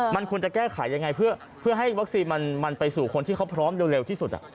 มันควรจะแก้ไขยังไงเพื่อให้วัคซีนมันไปสู่คนที่เขาพร้อมเร็วที่สุด